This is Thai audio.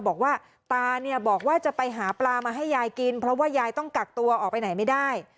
บอกว่าตาเนี่ยบอกว่าจะไปหาปลามาให้ยายกินเพราะว่ายายต้องกักตัวออกไปไหนไม่ได้